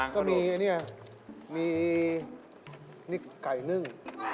ก็มีเนี่ยมีนี่ไก่นึ่ง